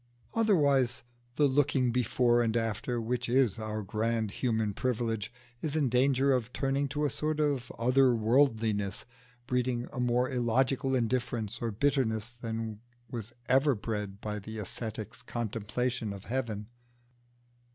Otherwise, the looking before and after, which is our grand human privilege, is in danger of turning to a sort of other worldliness, breeding a more illogical indifference or bitterness than was ever bred by the ascetic's contemplation of heaven.